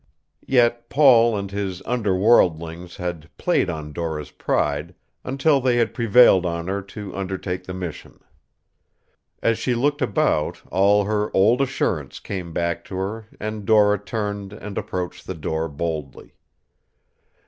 Yet Paul and his underworldlings had played on Dora's pride until they had prevailed on her to undertake the mission. As she looked about all her old assurance came back to her and Dora turned and approached the door boldly.